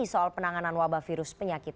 soal penanganan wabah virus penyakit